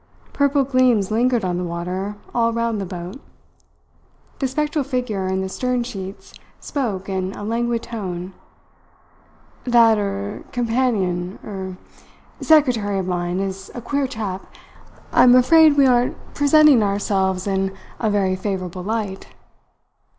Purple gleams lingered on the water all round the boat. The spectral figure in the stern sheets spoke in a languid tone: "That er companion er secretary of mine is a queer chap. I am afraid we aren't presenting ourselves in a very favourable light."